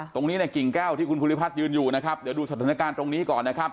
ตรงนี้เนี่ยกิ่งแก้วที่คุณภูริพัฒน์ยืนอยู่นะครับเดี๋ยวดูสถานการณ์ตรงนี้ก่อนนะครับ